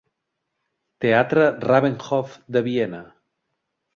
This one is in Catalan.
Teatre Rabenhof de Viena.